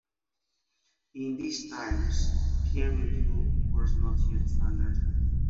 In these times, peer-review was not yet standard.